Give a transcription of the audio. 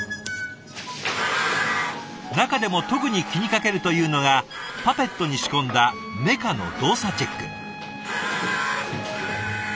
中でも特に気にかけるというのがパペットに仕込んだメカの動作チェック。